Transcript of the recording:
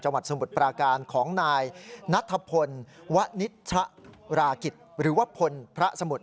สมุทรปราการของนายนัทพลวะนิชรากิจหรือว่าพลพระสมุทร